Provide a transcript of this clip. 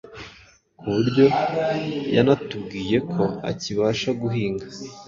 ku buryo yanatubwiye ko akibasha guhinga.